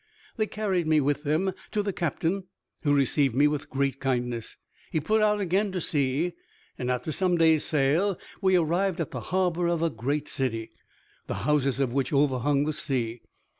They carried me with them to the captain, who received me with great kindness. He put out again to sea, and, after some days' sail, we arrived at the harbor of a great city, the houses of which overhung the sea.